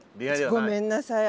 ごめんなさい。